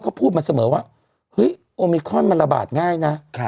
เขาพูดมาเสมอว่าเฮ้ยโอมิคอนมันระบาดง่ายนะ